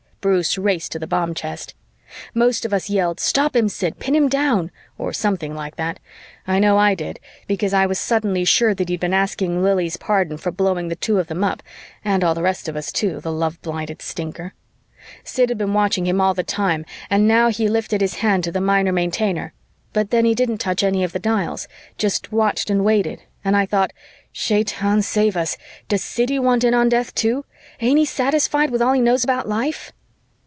Bruce raced to the bomb chest. Most of us yelled, "Stop him, Sid, pin him down," or something like that I know I did because I was suddenly sure that he'd been asking Lili's pardon for blowing the two of them up and all the rest of us too, the love blinded stinker. Sid had been watching him all the time and now he lifted his hand to the Minor Maintainer, but then he didn't touch any of the dials, just watched and waited, and I thought, "Shaitan shave us! Does Siddy want in on death, too? Ain't he satisfied with all he knows about life?"